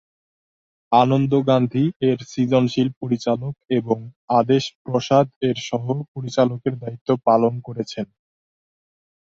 আনন্দ গান্ধী এর সৃজনশীল পরিচালক এবং আদেশ প্রসাদ এর সহ-পরিচালকের দায়িত্ব পালন করেছেন।